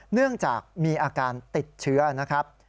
เนื่องจากมีอาการติดเชื้อนะครับ